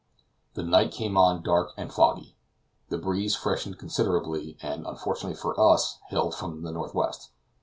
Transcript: The night came on dark and foggy. The breeze freshened considerably, and, unfortunately for us, hailed from the northwest.